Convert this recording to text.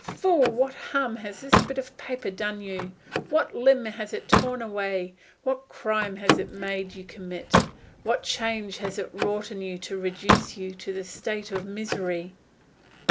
Fool, what harm has this bit of paper done you? What limb has it torn away? What crime has it made you commit? What change has it wrought in you to reduce you to this state of misery?